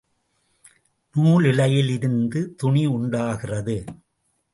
நூலிழையில் இருந்து துணி உண்டாகிறது.